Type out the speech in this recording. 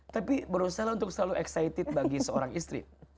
tapi berusaha untuk selalu excited bagi seorang istri